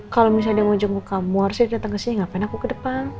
kalo misalnya dia mau jenguk kamu harusnya dia datang kesini gapain aku ke depan